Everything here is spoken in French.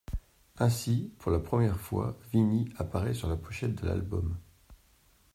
Aussi pour la première fois, Vinnie apparaît sur la pochette de l'album.